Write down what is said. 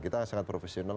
kita sangat profesional